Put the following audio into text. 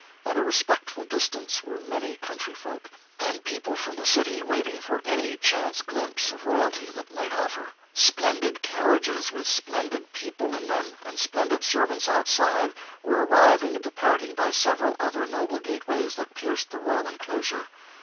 At a respectful distance were many country folk, and people from the city, waiting for any chance glimpse of royalty that might offer. Splendid carriages, with splendid people in them and splendid servants outside, were arriving and departing by several other noble gateways that pierced the royal enclosure.